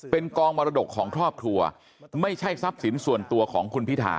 เป็นกองมรดกของครอบครัวไม่ใช่ทรัพย์สินส่วนตัวของคุณพิธา